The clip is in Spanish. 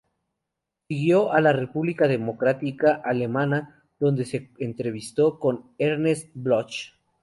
Siguió a la República Democrática Alemana donde se entrevistó con Ernst Bloch.